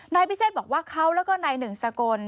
นายพิเศษบอกว่าเขาแล้วก็นายหนึ่งสกล